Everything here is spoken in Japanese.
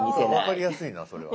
分かりやすいなそれは。